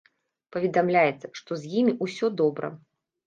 Паведамляецца, што з імі ўсё добра.